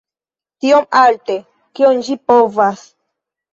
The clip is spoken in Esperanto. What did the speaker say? Tiom alte, kiom ĝi povas.